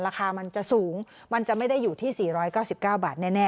ราคามันจะสูงมันจะไม่ได้อยู่ที่๔๙๙บาทแน่